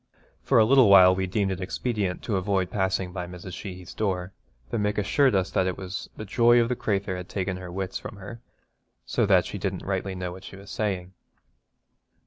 For a little while we deemed it expedient to avoid passing by Mrs. Sheehy's door, though Mick assured us that it was 'the joy of the crathur had taken her wits from her, so that she didn't rightly know what she was saying.'